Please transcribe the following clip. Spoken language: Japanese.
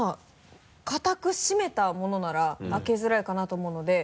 硬くしめたものなら開けづらいかなと思うので。